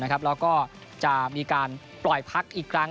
แล้วก็จะมีการปล่อยพักอีกครั้ง